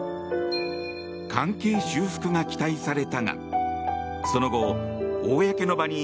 関係修復が期待されたがその後、公の場に